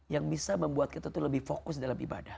yang bisa membuat kita tuh lebih fokus dalam ibadah